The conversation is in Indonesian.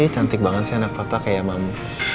cantik banget sih anak papa kayak mama